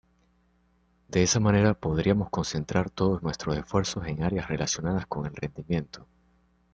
De esa manera podríamos concentrar todos nuestros esfuerzos en áreas relacionadas con el rendimiento.